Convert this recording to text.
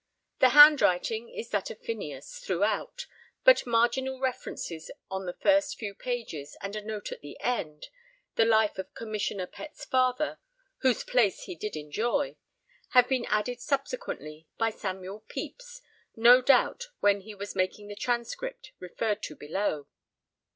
The handwriting is that of Phineas throughout, but marginal references on the first few pages and a note at the end 'The life of Commissioner Pett's father whose place he did enjoy' have been added subsequently by Samuel Pepys, no doubt when he was making the transcript referred to below.